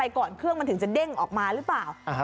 แล้วห้างในเครื่องมันถึงจะเด้งออกมาหรือเปล่าอ่าฮะ